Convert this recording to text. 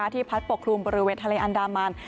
พัดปกคลุมบริเวณทะเลอันดามัน